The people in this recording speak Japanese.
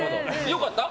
良かった？